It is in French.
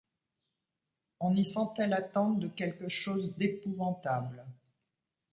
On y sentait l’attente de quelque chose d’épouvantable.